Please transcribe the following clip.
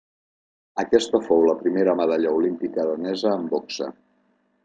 Aquesta fou la primera medalla olímpica danesa en boxa.